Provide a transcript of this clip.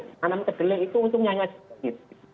menanam kedelai itu untungnya sedikit